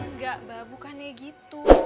nggak mbah bukannya gitu